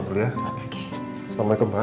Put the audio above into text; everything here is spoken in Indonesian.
assalamualaikum ma waalaikumsalam